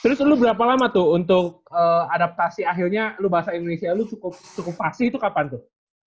terus lu berapa lama tuh untuk adaptasi akhirnya lu bahasa indonesia lu cukup cukup pas sih itu kapan tuh